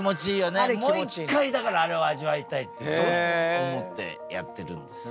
あれもう一回だからあれを味わいたいってそう思ってやってるんですよ。